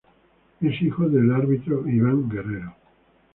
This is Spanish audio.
Es hijo del árbitro Iván Guerrero.